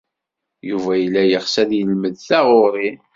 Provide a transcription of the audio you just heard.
Yuba yella yeɣs ad yelmed taɣuri.